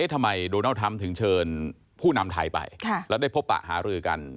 โดนัลดทรัมป์ถึงเชิญผู้นำไทยไปแล้วได้พบปะหารือกัน